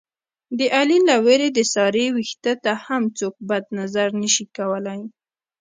د علي له وېرې د سارې وېښته ته هم څوک بد نظر نشي کولی.